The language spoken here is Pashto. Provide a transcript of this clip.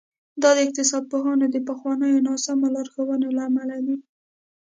دا د اقتصاد پوهانو د پخوانیو ناسمو لارښوونو له امله دي.